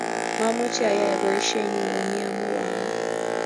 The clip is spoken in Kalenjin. mamuchi ayai poishenyu komie amu wakat